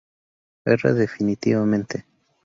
R.: "Definitivamente.